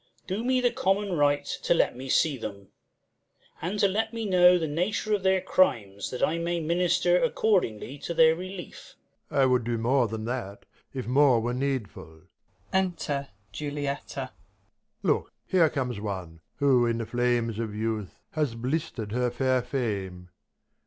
Do me the common right To let me see them ; and to let me know The nature of their crimes, that I may minister Accordingly to their relief. Prov. I would do more than that, if more were needful. Look, here comes one ! who in her flames of youth Enter Juliet. Has blister'd her fair fame.